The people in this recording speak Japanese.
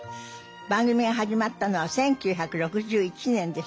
番組が始まったのは１９６１年です。